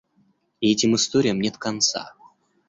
И этим историям нет конца.